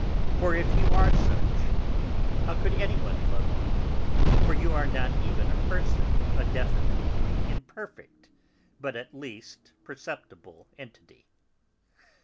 For if you are such, how could anyone love you, for you are not even a person, a definite, imperfect, but at least perceptible entity.